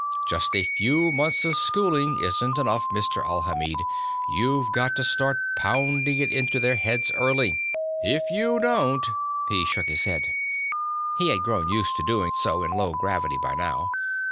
Just a few months of schooling isn't enough, Mr. Alhamid. You've got to start pounding it into their heads early. "If you don't " He shook his head. (He had grown used to doing so in low gravity by now.)